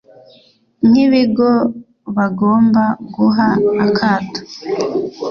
nk’ibigo bagomba guha akato